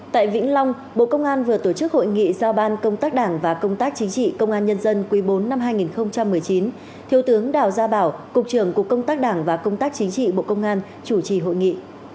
tại vĩnh long bộ công an vừa tổ chức hội nghị giao ban công tác đảng và công tác chính trị công an nhân dân quý bốn năm hai nghìn một mươi chín thiếu tướng đào gia bảo cục trưởng cục công tác đảng và công tác chính trị bộ công an chủ trì hội nghị